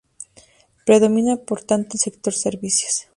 Predomina por tanto el sector servicios.